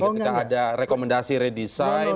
ketika ada rekomendasi redesign